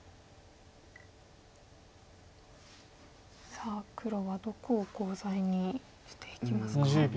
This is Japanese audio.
さあ黒はどこをコウ材にしていきますか？